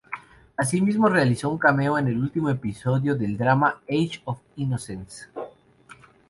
Así mismo, realizó un cameo en el último episodio del drama "Age of Innocence".